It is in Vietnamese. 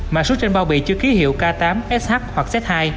mã số trên bao bị chứa ký hiệu k tám sh hoặc z hai